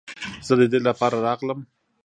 زه د دې لپاره راغلم.